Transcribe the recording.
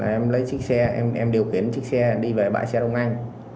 em lấy chiếc xe em em điều khiển chiếc xe đi về bãi xe đông anh